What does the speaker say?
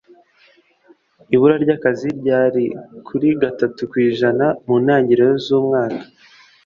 ibura ry' akazi ryari kuri gatatu kw'ijana mu ntangiro za z'umwaka